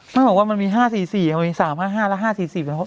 มันบอกว่ามันมีห้าสี่สี่มันมีสามห้าห้าแล้วห้าสี่สี่